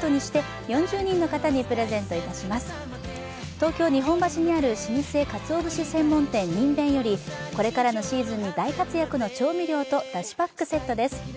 東京・日本橋にある老舗かつお節専門店にんべんよりこれからのシーズンに大活躍の調味料とだしパックセットです。